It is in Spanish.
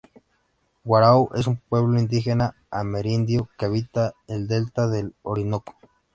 Warao es un pueblo indígena amerindio que habita el delta del Orinoco.